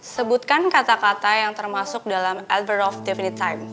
sebutkan kata kata yang termasuk dalam ether of defeny time